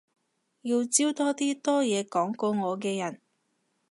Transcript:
要招多啲多嘢講過我嘅人